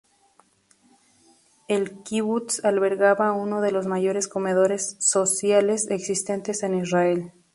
El kibutz albergaba uno de los mayores comedores sociales existentes en Israel.